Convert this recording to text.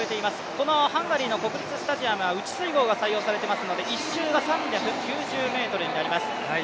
このハンガリーの国立スタジアムは内水濠が採用されていますので、１周が３９０ｍになります。